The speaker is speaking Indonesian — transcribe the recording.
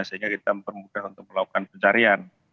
sehingga kita mempermudah untuk melakukan pencarian